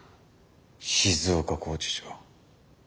静岡拘置所。